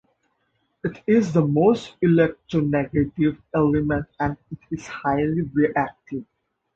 It the most electronegative element and it is highly reactive.